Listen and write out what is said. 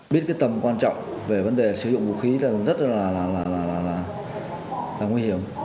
biết cái tầm quan trọng về vấn đề sử dụng vũ khí là rất là nguy hiểm